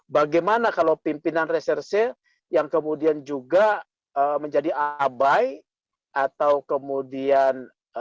bagaimana kalau pimpinan reserse yang kemudian juga menjadi abai atau kemudian